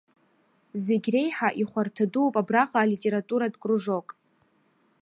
Зегь реиҳа ихәарҭа дууп абраҟа алитературатә кружок.